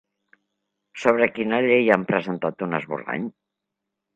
Sobre quina llei han presentat un esborrany?